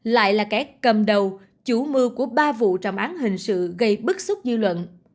lại là kẻ cầm đầu chủ mưu của ba vụ trọng án hình sự gây bức xúc dư luận